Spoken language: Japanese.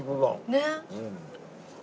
ねっ。